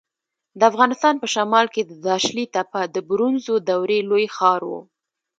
د افغانستان په شمال کې د داشلي تپه د برونزو دورې لوی ښار و